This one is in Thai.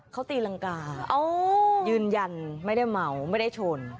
เขาตีรังกายืนยันไม่ได้เมาไม่ได้ชน